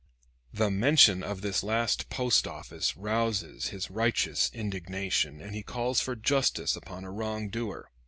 The mention of this last post office rouses his righteous indignation, and he calls for justice upon a wrong doer.